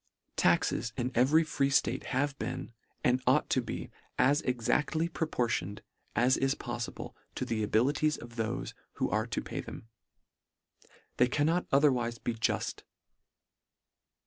Taxes in every free ftate have been, and ought to be as exactly proportioned, as is poffible, to the abilities of thofe who are to pay them. They cannot otherwife be juft.